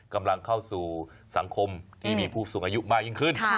กำลังเข้าสู่สังคมที่มีผู้สูงอายุมากยิ่งขึ้น